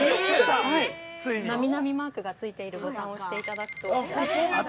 波々マークがついているボタンを押していただくと。